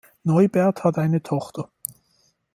Neubert hat eine Tochter.